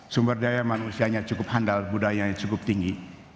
sumber daya manusianya cukup handal budayanya cukup tinggi